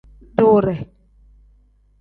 Diwiire.